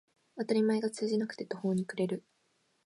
当たり前が通じなくて途方に暮れる